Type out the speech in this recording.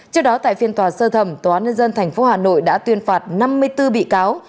trước đó tại phiên tòa sơ thẩm tòa án nhân dân tp hà nội đã tuyên phạt năm mươi bốn bị cáo